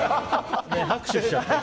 拍手しちゃってる。